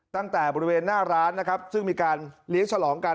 ตั้งแต่บริเวณหน้าร้านนะครับซึ่งมีการเลี้ยงฉลองกัน